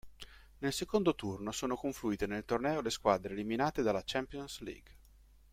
Nel secondo turno sono confluite nel torneo le squadre eliminate dalla Champions League.